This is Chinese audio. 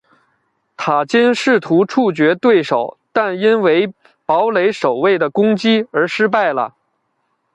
塔金试图处决对手但因为堡垒守卫的攻击而失败了。